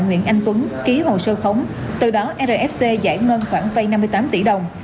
nguyễn anh tuấn ký hồ sơ khống từ đó rfc giải ngân khoảng vây năm mươi tám tỷ đồng